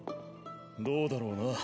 どうだろうな。